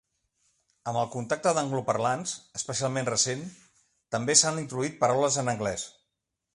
Amb el contacte d'angloparlants, especialment recent, també s'han introduït paraules en anglès.